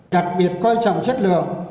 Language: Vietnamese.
đặc biệt quan trọng chất lượng